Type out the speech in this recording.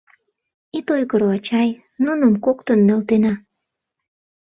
— Ит ойгыро, ачай, нуным коктын нӧлтена.